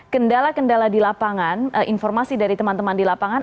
kendala kendala di lapangan informasi dari teman teman di lapangan